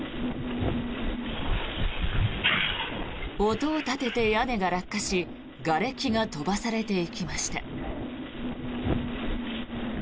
音を立てて屋根が落下しがれきが飛ばされていきました。